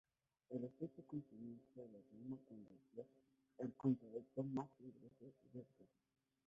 El estricto cumplimiento de la norma convirtió al contrabando en más peligroso y riesgoso.